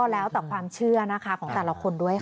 แล้วแต่ความเชื่อนะคะของแต่ละคนด้วยค่ะ